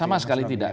sama sekali tidak